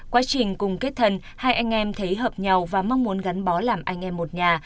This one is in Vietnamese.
quá trình cùng kết thần hai anh em thấy hợp nhau và mong muốn gắn bó làm anh em một nhà